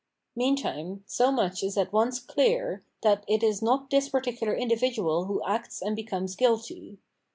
Meantime, so much is at once clear, that it is not this particular individual who acts and becomes guilty.